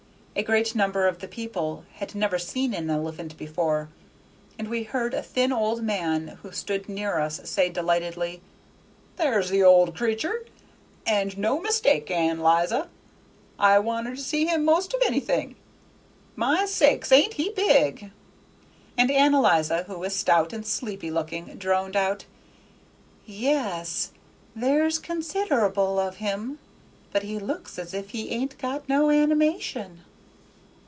A great number of the people had never seen an elephant before, and we heard a thin little old man, who stood near us, say delightedly, "There's the old creatur', and no mistake, Ann 'Liza. I wanted to see him most of anything. My sakes alive, ain't he big!" And Ann 'Liza, who was stout and sleepy looking, droned out, "Ye es, there's consider'ble of him; but he looks as if he ain't got no animation."